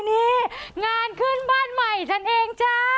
นี่งานขึ้นบ้านใหม่ฉันเองจ้า